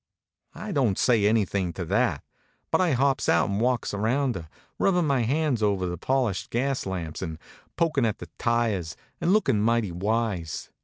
I don t say anything to that; but I hops out and walks around her, rubbin my hands over the polished gas lamps, and pokin at the tires, and lookin mighty wise.